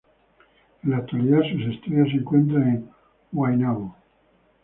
En la actualidad sus estudios se encuentran en Guaynabo.